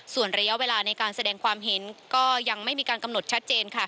ส่วนระยะเวลาในการแสดงความเห็นก็ยังไม่มีการกำหนดชัดเจน